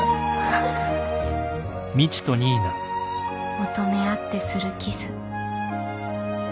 求め合ってするキス